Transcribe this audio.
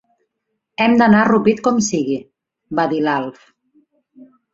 Hem d'anar a Rupit com sigui —va dir l'Alf—.